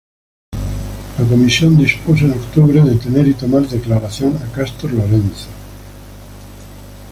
La Comisión dispuso en octubre detener y tomar declaración a Castor Lorenzo.